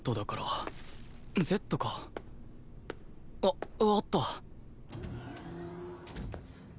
あっあった。